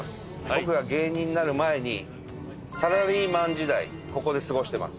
僕が芸人になる前にサラリーマン時代ここで過ごしてます。